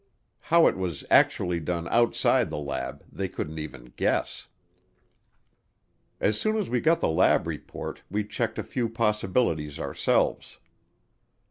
How it was actually done outside the lab they couldn't even guess. As soon as we got the lab report, we checked a few possibilities ourselves.